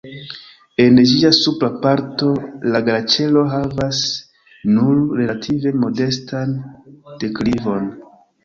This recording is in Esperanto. En ĝia supra parto la glaĉero havas nur relative modestan deklivon.